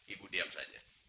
ibu diam saja